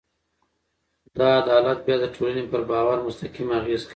دا عدالت بیا د ټولنې پر باور مستقیم اغېز کوي.